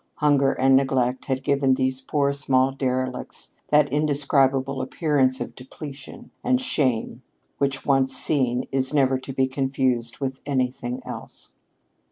Hunger and neglect had given these poor small derelicts that indescribable appearance of depletion and shame which, once seen, is never to be confused with anything else.